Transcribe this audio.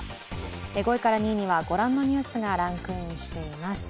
５位から２位にはご覧のニュースがランクインしています。